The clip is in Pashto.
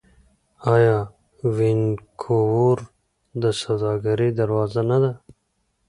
آیا وینکوور د سوداګرۍ دروازه نه ده؟